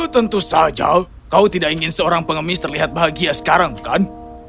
tentu saja kau tidak ingin seorang pengemis terlihat bahagia sekarang bukan